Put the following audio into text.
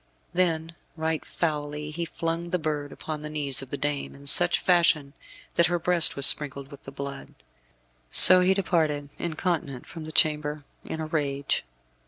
Then, right foully, he flung the bird upon the knees of the dame, in such fashion that her breast was sprinkled with the blood. So he departed, incontinent, from the chamber in a rage.